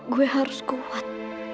gue harus kuat